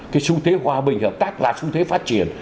cái xu thế hòa bình hợp tác là xu thế phát triển